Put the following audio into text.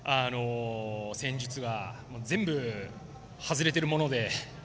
戦術は全部、外れているもので。